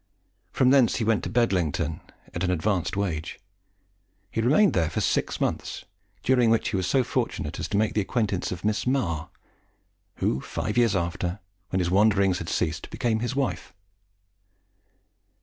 From thence he went to Bedlington at an advanced wage. He remained there for six months, during which he was so fortunate as to make the acquaintance of Miss Mar, who five years after, when his wanderings had ceased, became his wife.